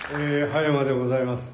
葉山でございます。